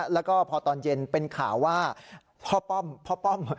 แล้วก็พอตอนเย็นเป็นข่าวว่าพ่อป้อมพ่อป้อม